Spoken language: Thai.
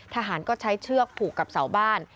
ทหารก็ใช้เชือกผูกกับเสาบ้าน